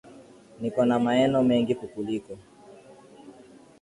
Niko na maeno mengi kukuliko